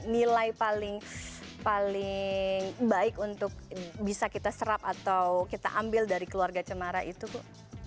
nilai paling baik untuk bisa kita serap atau kita ambil dari keluarga cemara itu bu